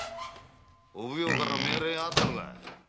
お奉行から命令があったのかい。